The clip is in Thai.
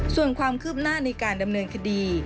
ส่วนความคืบหน้าในการดำเนินคดี